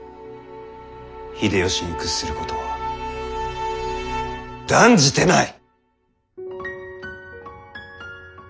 秀吉に屈することは断じてない！